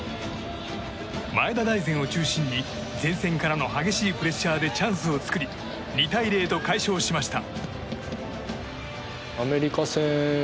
前田大然を中心に前線からの激しいプレッシャーでチャンスを作り２対０と快勝しました。